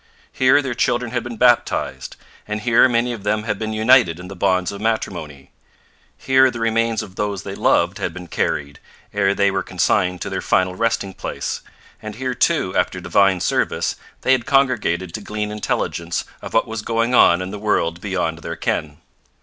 Here their children had been baptized, and here many of them had been united in the bonds of matrimony. Here the remains of those they loved had been carried, ere they were consigned to their final resting place, and here, too, after divine service, they had congregated to glean intelligence of what was going on in the world beyond their ken.